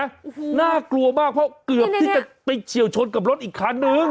โอ้โหน่ากลัวมากเพราะเกือบที่จะไปเฉียวชนกับรถอีกคันนึง